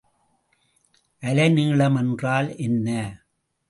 அலைநீளம் என்றால் என்ன?